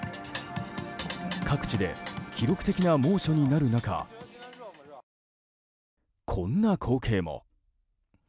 各地で記録的な猛暑になる中こんな光景も。